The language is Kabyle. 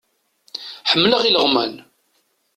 Ḥemmleɣ ileɣman.